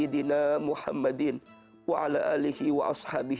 dan kita mencari kemah